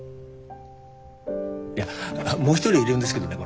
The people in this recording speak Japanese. あっもう一人いるんですけどね